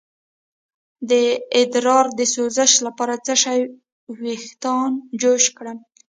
د ادرار د سوزش لپاره د څه شي ویښتان جوش کړم؟